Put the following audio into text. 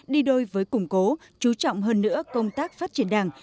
đi đôi với củng cố chú trọng hơn nữa công tác phát triển đảng